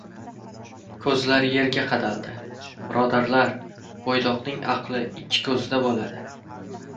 Ko‘zlari yerga qadaldi. Birodarlar, bo‘ydoqning aqli ikki ko‘zida bo‘ladi!